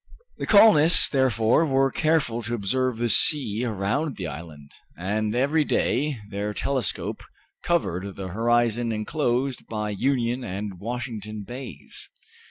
The colonists, therefore, were careful to observe the sea around the island, and every day their telescope covered the horizon enclosed by Union and Washington Bays.